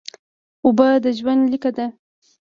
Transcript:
اوبه د ژوند لیکه ده